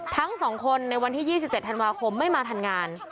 ทั้ง๒คนในวันที่๒๗ธันวาคมไม่มาทำงาน